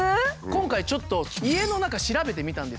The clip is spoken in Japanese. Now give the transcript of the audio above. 今回ちょっと家の中調べてみたんです。